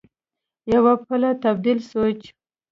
یو پله تبدیل سویچ